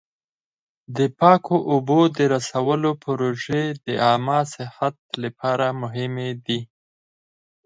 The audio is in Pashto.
د پاکو اوبو د رسولو پروژې د عامه صحت لپاره مهمې دي.